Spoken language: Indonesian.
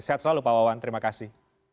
sehat selalu pak wawan terima kasih